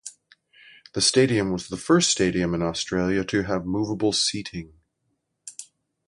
The stadium was the first stadium in Australia to have movable seating.